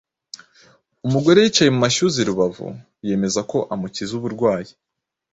Umugore yicaye mu mashyuza i Rubavu yemeza ko amukiza uburwayi